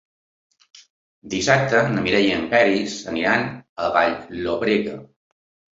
Dissabte na Mireia i en Peris iran a Vall-llobrega.